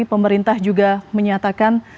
pemerintah juga menyatakan